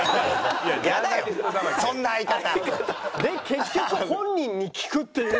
で結局本人に聞くっていう。